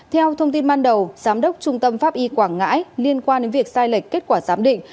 theo thông tin ban đầu giám đốc trung tâm pháp y quảng ngãi liên quan đến việc sai lệch kết quả giám định